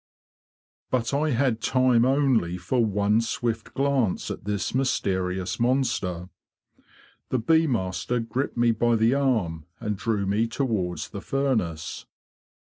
But I had time only for one swift glance at this mysterious monster. The bee master gripped me by the arm and drew me towards the furnace.